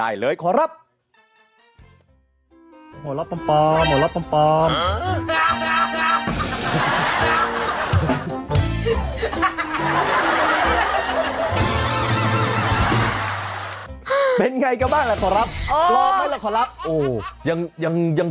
แย่เลย